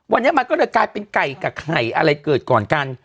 วันนี้มันก็เลยกลายเป็นไก่กับไข่อะไรเกิดก่อนกัน